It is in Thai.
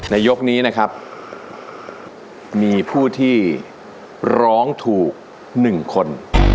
ยกนี้นะครับมีผู้ที่ร้องถูก๑คน